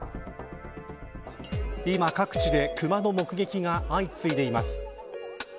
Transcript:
今、各地でクマの目撃が相次いでいます。